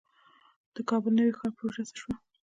د کابل نوی ښار پروژه څه شوه؟